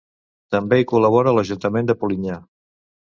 També hi col·labora l'Ajuntament de Polinyà.